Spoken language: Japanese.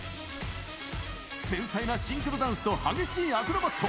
繊細なシンクロダンスと激しいアクロバット。